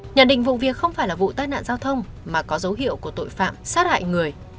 nhận định vụ việc không phải là vụ tai nạn giao thông mà có dấu hiệu của tội phạm sát hại người